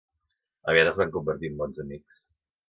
Aviat es van convertir en bons amics.